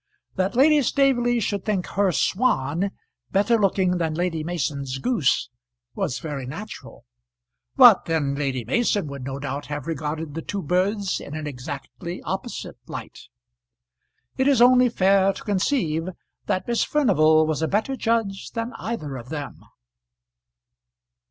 That Lady Staveley should think her swan better looking than Lady Mason's goose was very natural; but then Lady Mason would no doubt have regarded the two birds in an exactly opposite light. It is only fair to conceive that Miss Furnival was a better judge than either of them.